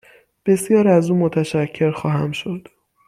بسیار از او متشکر خواهم شد